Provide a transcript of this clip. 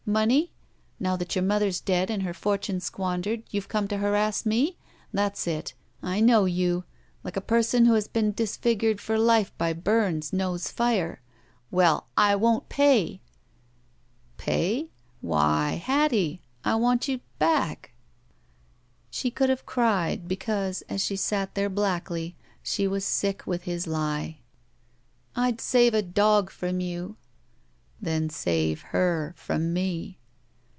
Money? Now that your mother is dead and her forttme squandered, you've come to harass me? That's it! I know you, like a person who has been disfigured for life by bums knows fire. Well, I won't pay!" 164 it' THE SMUDGE *'Pay? Why, Hattie — I want you— back —" She could have cried because, as she sat there blackly, she was sick with his lie. "I'd save a dog from you." '*Then save — ^her — ^from me.